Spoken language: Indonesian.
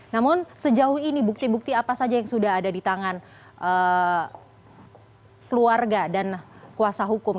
namun sejauh ini bukti bukti apa saja yang sudah ada di tangan keluarga dan kuasa hukum